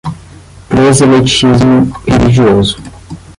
Proselitismo religioso